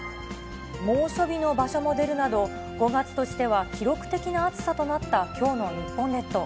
猛暑日の場所も出るなど、５月としては記録的な暑さとなったきょうの日本列島。